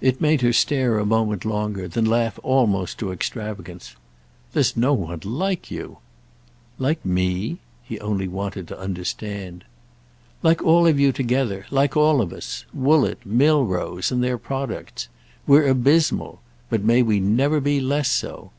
It made her stare a moment longer, then laugh almost to extravagance. "There's no one like you!" "Like me?"—he only wanted to understand. "Like all of you together—like all of us: Woollett, Milrose and their products. We're abysmal—but may we never be less so!